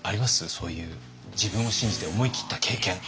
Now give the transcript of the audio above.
そういう自分を信じて思い切った経験。